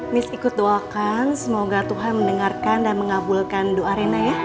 mis ikut doakan semoga tuhan mendengarkan dan mengabulkan doa rena ya